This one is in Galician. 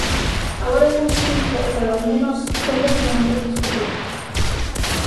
Agora estamos cinco e cada unha de nós céntrase nun aspecto específico.